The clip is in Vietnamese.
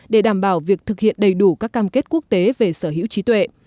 để đảm bảo việc thực hiện đầy đủ các cam kết quốc tế về sở hữu trí tuệ